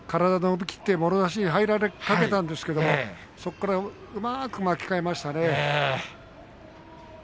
寄り切って、もろ差しに入られかけたんですが、そこからうまく巻き替えしましたね。